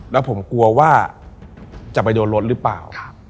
แล้วผมกลัวว่าจะไปโดนรถหรือเปล่า